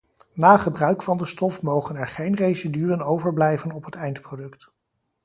Na gebruik van de stof mogen er geen residuen overblijven op het eindproduct.